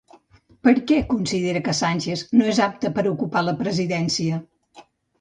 Per què considera que Sánchez no és apte per a ocupar la presidència?